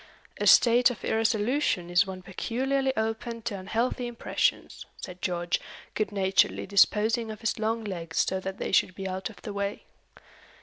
"A state of irresolution is one peculiarly open to unhealthy impressions," said George, good naturedly disposing of his long legs so that they should be out of the way.